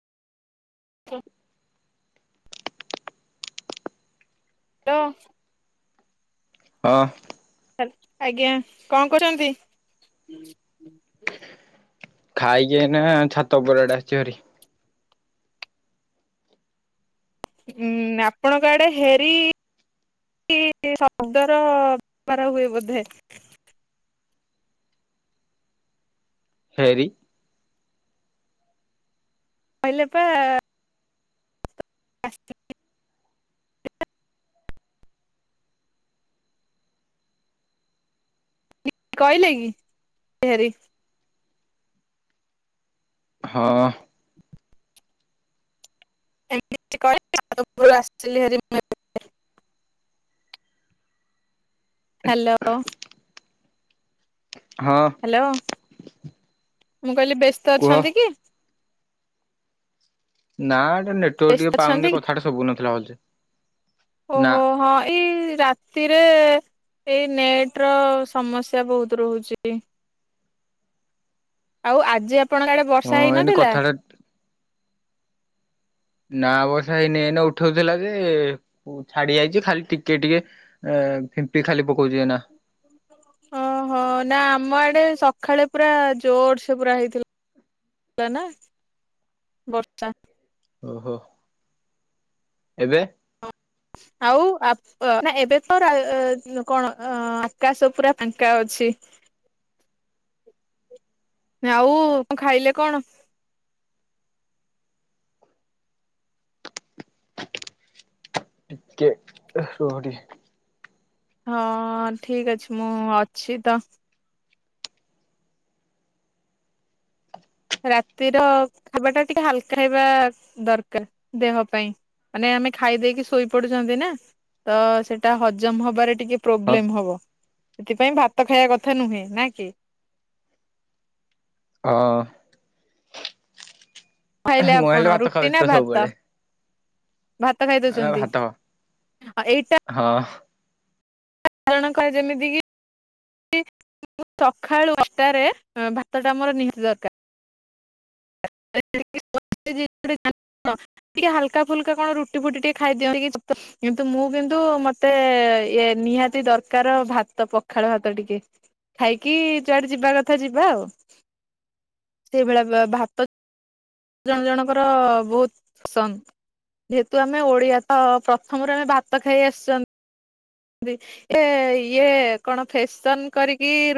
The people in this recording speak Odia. [unintelligible] ହଁ। ଆଜ୍ଞା କଣ କରନ୍ତି। [inaudible] ଖାଇକି ଏଇନା ଛାତ ଉପର ଆଡେ ଆସିଛି ଭାରି। ଉଁ ଆପଣଙ୍କ ଆଡେ ହେରି ଶବ୍ଦର ବବାର ହୁଏ ବୋଧେ? ହେରି [inaudible] କହିଲେ ପା ଆ କଇଲେକି ଗରି ହଁ। ଏମିତି କହିଲର [unintelligible] ହାଲୋ। ହଁ ହାଲୋ। [inaudible] ମୁଁ କହିଲି ବ୍ୟସ୍ତ କୁହ ଅଛନ୍ତି କି? [inaudible] ନା ଏଟା ନେଟୱାରକ ବ୍ୟସ୍ତ ଟିକେ ଅଛନ୍ତି ପାଉନ କି? କଥାଟା ସବୁ ନଥିଲା ବୋଧେ? [inaudible] ନା। [inaudible] ସ୍ଥିରେ ଏଇ ନେଟ ର ସମସ୍ୟା ବହୁତ ରହୁଛି। ଆଉ ଆଜି ଆ ଆପଣଙ୍କ ଆଡେ ହଁ ବର୍ଷା ଏଇନେ ହେଇନଥିଲା। କଥାଟା ନା ବସା ହେଇନ ନ ଉଠଉଥିଲା ଯେ ଛାଡି ଯାଇଛି। ଖାଲି ଟିକେ ଟିକେ ଏ ଫିମ୍ପି ଖାଲି ପକଉଛି ଏଇନା [inaudible] ଓହୋ ନା ଆମ ଆଡେ ଟେ ସକାଳେ ପୁରା ଜୋର ସେ ପୁରା ହେଇଥିଲା ନା [inaudible] ବର୍ଷା। ଓହୋ [inaudible] ଏବେ? ଆଉ ଆପ ଏବେ ତ କଣ ଆକାଶ ପୁରା ଫାଙ୍କା ଅଛି। ଆଉ କଣ ଖାଇଲେ କଣ? [inaudible] ଟିକେ ରୁହ ଟିକେ। ହଁ ଠିକ ଅଛି ମୁଁ ଅଛି ତ। ରାତିର ଖାଇବାଟା ଟିକେ ହାଲକା ହେବା ଦରକାର। ଦେହ ପାଇଁ ମାନେ ଆମେ ଖାଇ ଦେଇେଇକି ଶୋଇପଡୁଛନ୍ତି ନା। ତ ସେଟା ହଜମ ହବାରେ ଟ ଟିକେ ପ୍ରୋବ୍ଲେମ୍ ହଁ ହବ। ସେଥିପାଇଁ ଭାତ ଖାଇବା କଥା ନୁହେଁ ନ କି? [inaudible] ହଁ। ଖାଇଲେ ମୁଁ ହେଲେ ଆପଣ ଭାତ ରୁଟି ଖାଉଛି ତ ନା ଭାତ। ସବୁବେଳେ ଭାତ ଆ ଖାଇଦଉଛନ୍ତି ଭାତ [inaudible] ଆଉ ଏଇଟା ହଁ କାରଣ କ ଯେମିତି କି ସକାଳୁ ଅଟାରେ ଭାତଟା ଆମର ନି ଦରକାର। [unintelligible] ଟିକେ ହାଲ ଫୁଲକା କଣ ରୁଟି ଫୁଟି ଟିକେ ଖାଇଦିଅନ୍ତି। କିନ୍ତୁ ମୁଁ କିନ୍ତୁ ମତେ ଇ ନିହାତି ଦରକାର ଭାତ ପଖାଳ ଭାତ ଟିକେ। ଖାଇକି ଯୁଆଡେ ଯିବା କଥା ଯିବା ଆଉ। ସେଇଭଳିଆ ଭାତ ଜଣ ଜଣଙ୍କର ବହୁତ ପସନ୍ଦ ଯେହେତୁ ଆମେ ଓଡ଼ିଆ ତ ପ୍ରଥମରୁ ଆମେ ଭାତ ଖାଇ ଆସିଛନ ଇଏ କଣ ଫେସନ କରିକି